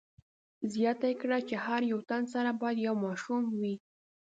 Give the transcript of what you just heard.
زیاته یې کړه چې هر یو تن سره باید یو ماشوم وي.